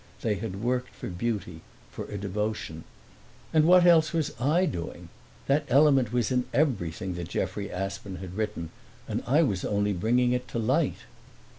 They had worked for beauty, for a devotion; and what else was I doing? That element was in everything that Jeffrey Aspern had written, and I was only bringing it to the light.